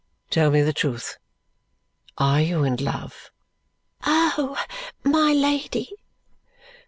Tell me the truth. Are you in love?" "Oh! My Lady!"